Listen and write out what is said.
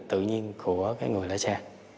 tự nhiên của cái người lái xe